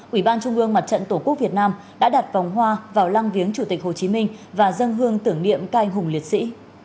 ủy ban trung ương mặt trận tổ quốc việt nam đã đặt vòng hoa vào lăng viếng chủ tịch hồ chí minh và dân hương tưởng niệm các anh hùng liệt sĩ